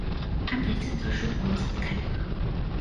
安倍经济政策留下课题的是监管改革和社会保障改革。